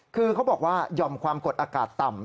คือเขาบอกว่าหย่อมความกดอากาศต่ำ